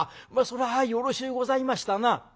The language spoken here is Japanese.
そりゃよろしゅうございましたな」。